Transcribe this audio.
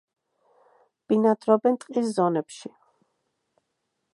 ბინადრობენ ტყის ზონებში.